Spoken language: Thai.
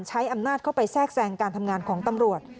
ใช้อำนาจเข้าไปแทรกแทรงการทำงานของตำรวจ